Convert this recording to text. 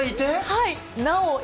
はい。